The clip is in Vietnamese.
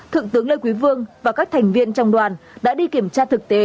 thượng tướng lê quý vương và các thành viên trong đoàn đã đi kiểm tra thực tế